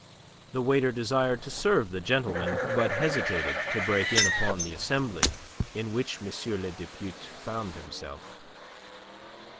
The waiter desired to serve the gentleman, but hesitated to break in upon the assembly in which M. le Depute found himself.